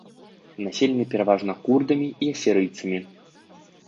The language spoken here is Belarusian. Населены пераважна курдамі і асірыйцамі.